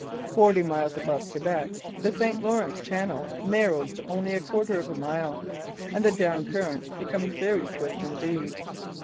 Forty miles above Quebec the St Lawrence channel narrows to only a quarter of a mile, and the down current becomes very swift indeed.